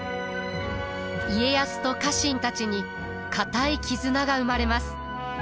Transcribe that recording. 家康と家臣たちに固い絆が生まれます。